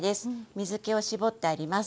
水けを絞ってあります。